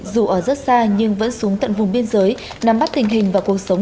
dù ở rất xa nhưng vẫn xuống tận vùng biên giới nắm bắt tình hình và cuộc sống